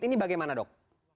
ini bagaimana dok